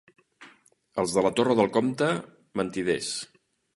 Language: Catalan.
Els de la Torre del Comte, mentiders.